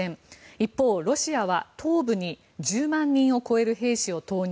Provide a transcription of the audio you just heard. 一方、ロシアは東部に１０万人を超える兵士を投入。